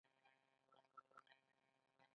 آیا د افتابه او لګن کارول دود نه دی؟